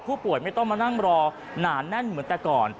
ไม่ต้องมานั่งรอหนาแน่นเหมือนแต่ก่อน